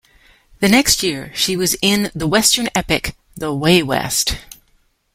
The next year she was in the Western epic "The Way West".